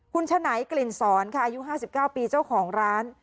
คุณฉะไหนกลิ่นสอนค่ะอายุ๕๙ปีเจ้าของร้าน